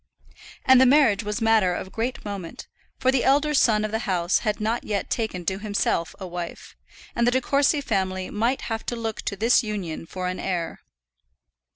And the marriage was matter of great moment, for the elder scion of the house had not yet taken to himself a wife, and the De Courcy family might have to look to this union for an heir.